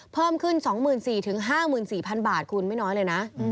เพิ่มขึ้น๒๔๐๐๕๔๐๐บาทคุณไม่น้อยเลยนะ